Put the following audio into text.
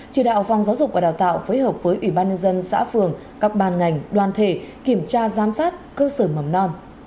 chỉ đạo phòng giáo dục và đào tạo phối hợp với ủy ban nhân dân xã phường các ban ngành đoàn thể kiểm tra giám sát cơ sở mầm non